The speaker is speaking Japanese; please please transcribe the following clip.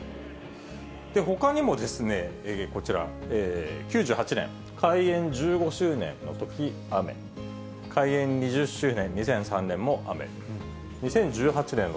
ほかにも、こちら、９８年、開園１５周年のとき、雨、開園２０周年、２００３年も雨。